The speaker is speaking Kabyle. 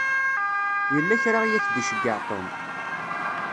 Yella kra i ak-d-iceyyeɛ Tom.